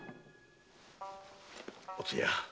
〔おつや。